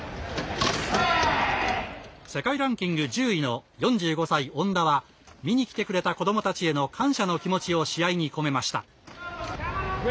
世界ランキング１０位の恩田は見に来てくれた子どもたちへの感謝の気持ちを試合に込めました。